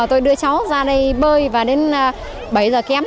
tôi đưa cháu ra đây bơi và đến bảy giờ kém